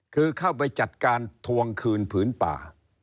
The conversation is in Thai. คือเข้าไปจัดการทวงคืนผืนป่า